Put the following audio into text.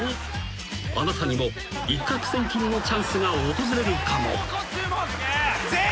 ［あなたにも一獲千金のチャンスが訪れるかも］